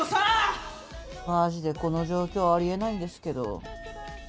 マジでこの状況ありえないんですけど。